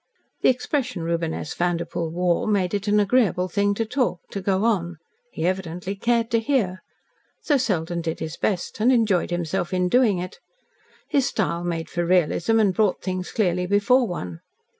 The expression Reuben S. Vanderpoel wore made it an agreeable thing to talk to go on. He evidently cared to hear. So Selden did his best, and enjoyed himself in doing it. His style made for realism and brought things clearly before one.